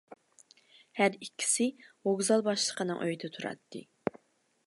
ھەر ئىككىسى ۋوگزال باشلىقىنىڭ ئۆيىدە تۇراتتى.